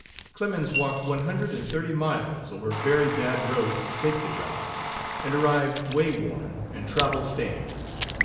Clemens walked one hundred and thirty miles over very bad roads to take the job, and arrived way worn and travel stained.